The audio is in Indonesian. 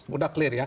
sudah clear ya